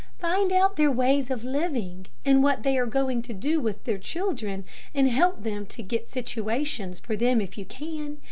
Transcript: Find out their ways of living, and what they are going to do with their children, and help them to get situations for them if you can.